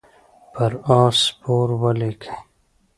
پر آس سپور ولیکئ.